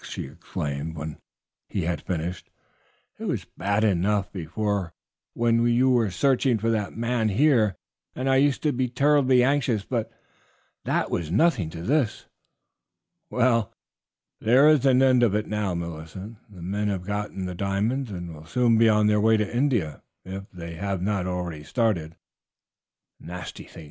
she exclaimed when he had finished. "It was bad enough before when you were searching for that man here, and I used to be terribly anxious; but that was nothing to this." "Well, there is an end of it now, Millicent; the men have got the diamonds, and will soon be on their way to India, if they have not started already." "Nasty things!"